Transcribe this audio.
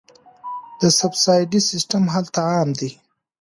د سبسایډي سیستم هلته عام دی.